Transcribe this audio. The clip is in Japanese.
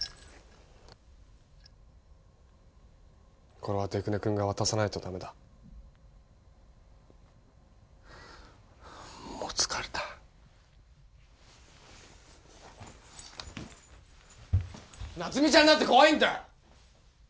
これは出久根君が渡さないとダメだもう疲れたなつみちゃんだって怖いんだよ